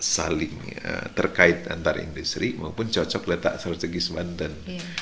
saling terkait antar industri maupun cocok letak strategis banten